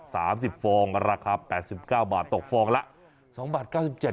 สามสิบฟองราคาแปดสิบเก้าบาทตกฟองละสองบาทเก้าสิบเจ็ด